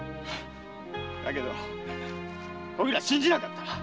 だけどおいら信じなかった。